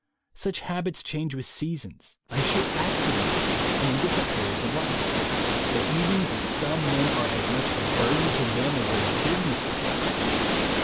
Such habits change with seasons, by sheer accident, and in different periods of life. The evenings of some men are as much a burden to them as their business day.